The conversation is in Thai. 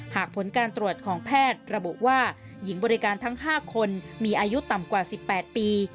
ผลการตรวจของแพทย์ระบุว่าหญิงบริการทั้ง๕คนมีอายุต่ำกว่า๑๘ปี